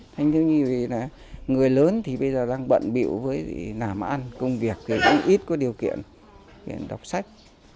thanh thiếu nhi là người lớn thì bây giờ đang bận biểu với làm ăn công việc ít có điều kiện để đọc sách